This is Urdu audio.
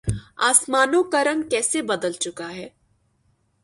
آسمانوں کا رنگ کیسے بدل چکا ہے۔